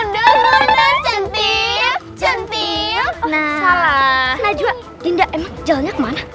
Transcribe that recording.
dasar majka nah sekejap dindal jalannya kemana